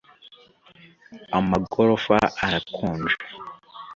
Amagorofa arakonje